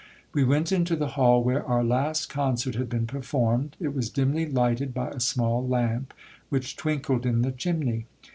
We went into the hall, where our last concert had been performed. It was dimly lighted by a small lamp, which twinkled in the chimney.